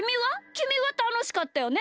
きみはたのしかったよね？